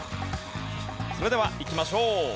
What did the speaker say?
それではいきましょう。